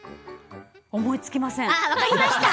思いつきません。